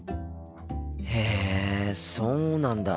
へえそうなんだ。